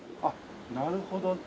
あっなるほど。